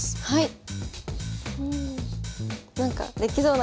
はい。